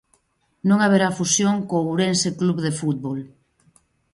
Non haberá fusión co Ourense Club de Fútbol.